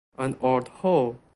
An art hole.